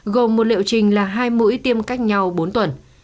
gồm một liệu trình là hai mũi tiêm cách nhau bốn tuần